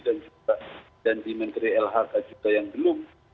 dan juga janji menteri lhk juga yang belum